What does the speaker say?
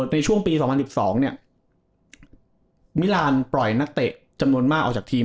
ในช่วงปี๒๐๑๒เนี่ยมิลานปล่อยนักเตะจำนวนมากออกจากทีม